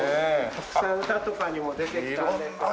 たくさん歌とかにも出てきたんですよ。